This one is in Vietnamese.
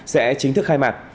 sẽ chính thức khai mạc